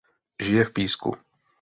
Žije v Písku.